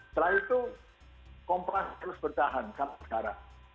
setelah itu kompas terus bertahan sampai sekarang